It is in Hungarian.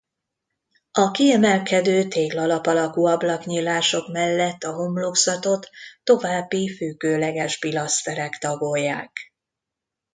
A kiemelkedő téglalap alakú ablaknyílások mellett a homlokzatot további függőleges pilaszterek tagolják.